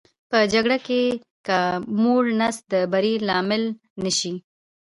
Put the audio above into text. په جګړه کې که موړ نس د بري لامل نه شي.